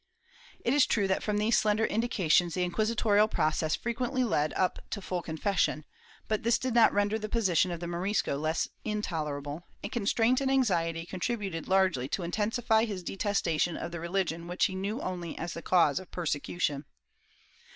It is true that from these slender indications the inquisitorial process frequently led up to full confession, but this did not render the position of the Morisco less intolerable, and constraint and anxiety contrib uted largely to intensify his detestation of the religion which he knew only as the cause of persecution.